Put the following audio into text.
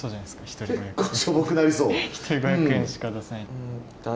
一人５００円しか出せない。